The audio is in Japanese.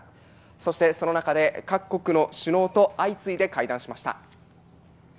そしてその中で各国の首脳と相次いで会談しました。